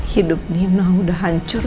hidup nino udah hancur